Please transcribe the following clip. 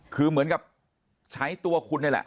คือเหมือนกับใช้ตัวคุณนี่แหละ